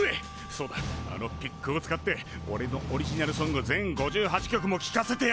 そうだあのピックを使っておれのオリジナルソング全５８曲もきかせてやる！